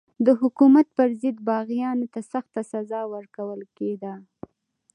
د حکومت پر ضد باغیانو ته سخته سزا ورکول کېده.